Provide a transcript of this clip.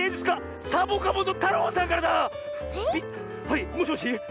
はいもしもし。